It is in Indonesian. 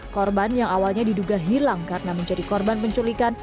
korban yang awalnya diduga hilang karena menjadi korban penculikan